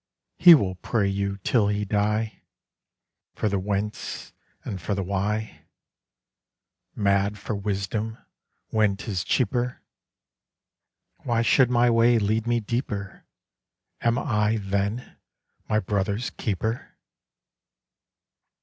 He will pray you till he die, For the Whence and for the Why; Mad for wisdom when 'tis cheaper! '_Why should my way lead me deeper? Am I, then, my Brother's keeper?